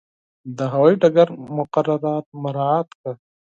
د هوایي ډګر مقررات مراعات کړه.